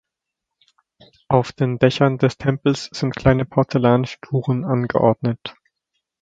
Auf den Dächern des Tempels sind kleine Porzellanfiguren angeordnet.